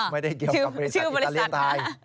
ไม่ได้เกี่ยวกับบริษัทอิตาเลียนไทย